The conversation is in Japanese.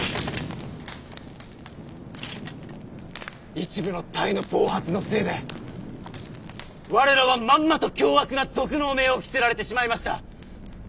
一部の隊の暴発のせいで我らはまんまと凶悪な賊の汚名を着せられてしまいました。